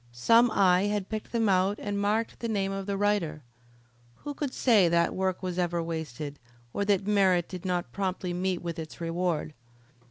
Some eye had picked them out and marked the name of the writer. Who could say that work was ever wasted, or that merit did not promptly meet with its reward?